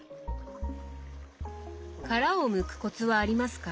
殻をむくコツはありますか？